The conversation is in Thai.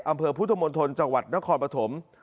อำเภอพุทธมณฑลจังหวัดนครปฐม